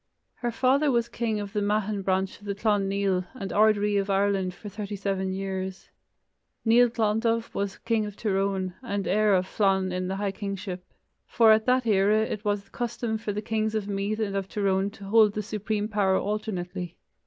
Her father was king of the Meathan branch of the Clan Nial, and ard ri of Ireland for thirty seven years. Nial Glondubh was king of Tir Eoghain, and heir of Flann in the high kingship, for at that era it was the custom for the kings of Meath and of Tyrone to hold the supreme power alternately.